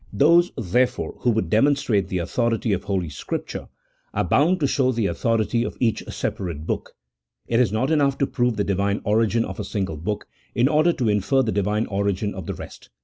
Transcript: Those, therefore, who would demonstrate the authority of Holy Scripture, are bound to show the authority of each sepa rate book ; it is not enough to prove the Divine origin of a single book in order to infer the Divine origin of the rest.